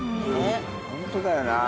ホントだよな。